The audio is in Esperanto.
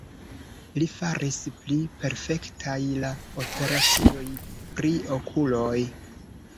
Li faris pli perfektaj la operaciojn pri okuloj.